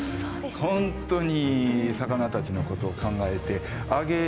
本当に魚たちのことを考えてあげる。